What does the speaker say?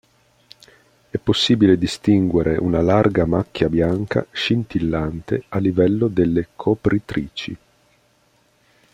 È possibile distinguere una larga macchia bianca scintillante a livello delle copritrici.